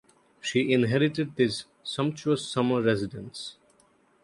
She inherited this sumptuous summer residence.